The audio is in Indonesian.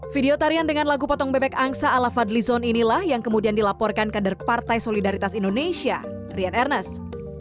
video tarian dengan lagu potong bebek angsa ala fadli zon inilah yang kemudian dilaporkan kader partai solidaritas indonesia rian ernest